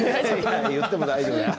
言っても大丈夫だよ。